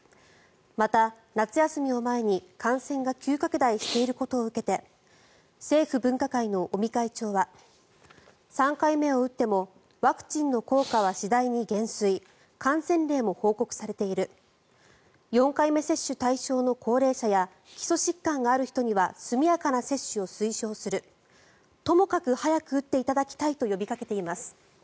また、夏休みを前に感染が急拡大していることを受けて政府分科会の尾身会長は３回目を打ってもワクチンの効果は次第に減衰感染例も報告されている４回目接種対象の高齢者や基礎疾患がある人には速やかな接種を推奨するともかく早く打っていただきたいと呼びかけています。